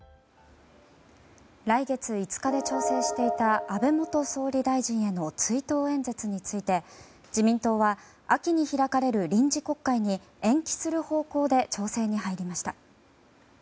来月５日で調整していた安倍元総理大臣への追悼演説について自民党は秋に開かれる臨時国会に延期する方向で調整に入りました。